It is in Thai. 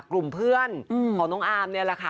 กลุ่มเพื่อนของน้องอาร์มเนี่ยแหละค่ะ